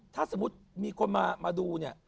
ถ้าสมมุติมีคนมาดูเนี่ย